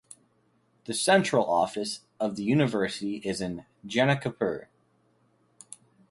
The central office of the university is in Janakpur.